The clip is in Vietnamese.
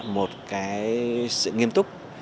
một sự nghiêm túc